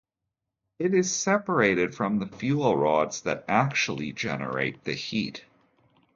It is separated from the fuel rods that actually generate the heat.